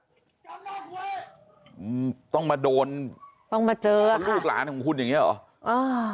มันต้องมาโดนต้องมาเจอลูกหลานของคุณอย่างเงี้เหรออ่า